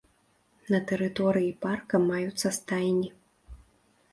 На тэрыторыі парка маюцца стайні.